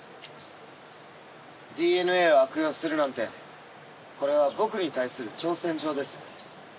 ＤＮＡを悪用するなんてこれは僕に対する挑戦状です。